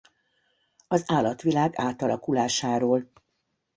Az állatvilág átalakulásáról.